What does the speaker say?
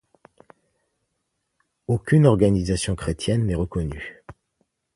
Aucune organisation chrétienne n'est reconnue.